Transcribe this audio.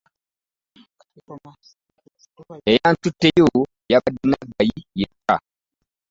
Eyantutteyo yabadde Naggayi yekka.